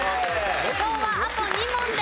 昭和あと２問です。